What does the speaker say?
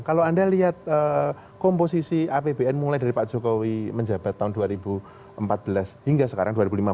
kalau anda lihat komposisi apbn mulai dari pak jokowi menjabat tahun dua ribu empat belas hingga sekarang dua ribu lima belas